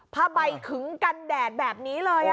ผ้าใบขึงกันแดดแบบนี้เลย